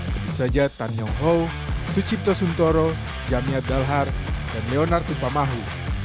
sebut saja tan yong ho sucipto suntoro jamia dalhar dan leonard tupamahu